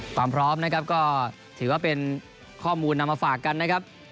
ความพร้อมนะครับก็ถือว่าเป็นข้อมูลนำมาฝากกันนะครับ